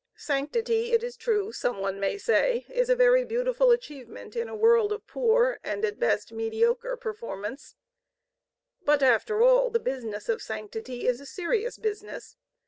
Sanctity, it is true, some one may say, is a very beautiful achievement in a world of poor and, at best, mediocre performance; but, after all, the business of sanctity is a serious business.